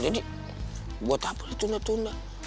jadi buat apa lu tunda tunda